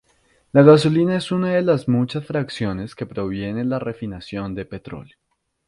La gasolina es una de las muchas fracciones que provienen de refinación de petróleo.